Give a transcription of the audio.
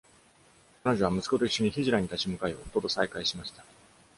彼女は息子と一緒にヒジュラに立ち向かい、夫と再会しました。